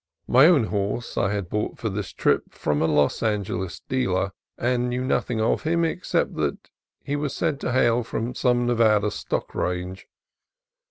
My own horse I had bought for this trip from a Los Angeles dealer, and knew nothing of him ex cept that he was said to hail from some Nevada stock range.